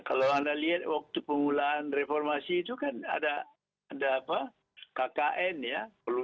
kalau anda lihat waktu pengulaan reformasi itu kan ada kkn ya